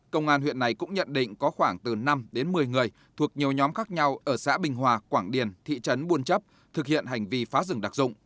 công an huyện này cũng nhận định có khoảng từ năm đến một mươi người thuộc nhiều nhóm khác nhau ở xã bình hòa quảng điền thị trấn buôn chấp thực hiện hành vi phá rừng đặc dụng